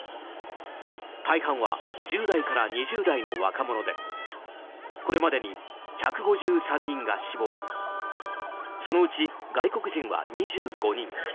大半は１０代から２０代の若者でこれまでに１５３人が死亡そのうち外国人は２５人。